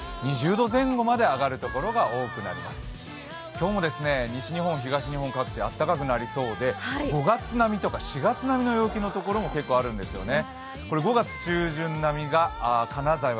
今日も西日本、東日本各地で暖かくなりそうで５月並みとか４月並みの陽気の所も結構あるんですよね。